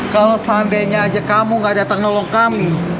kalau seandainya aja kamu gak datang nolong kami